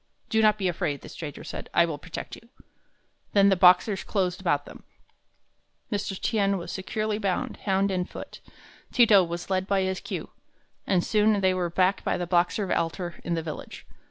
"Do not be afraid," the stranger said; "I will protect you." Then the Boxers closed about them. Mr. Tien was securely bound, hand and foot. Ti to was led by his queue, and soon they were back by the Boxer altar in the village.